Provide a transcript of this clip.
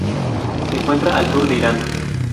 Se encuentra al sur de Irán.